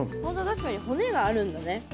確かに骨があるんだね。